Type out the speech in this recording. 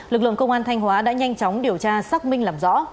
lực lượng công an thanh hóa đã nhanh chóng điều tra xác minh làm rõ